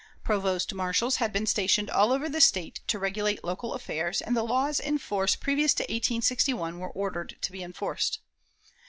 Provost marshals had been stationed all over the State to regulate local affairs, and the laws in force previous to 1861 were ordered to be enforced.